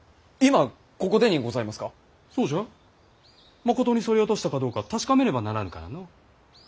まことにそり落としたかどうか確かめねばならぬからのう。